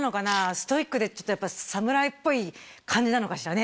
ストイックでちょっと侍っぽい感じなのかしらね？